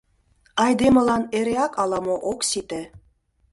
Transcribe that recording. Айдемылан эреак ала-мо ок сите.